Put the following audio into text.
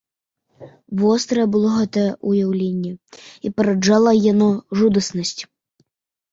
Вострае было гэтае ўяўленне, і параджала яно жудаснасць.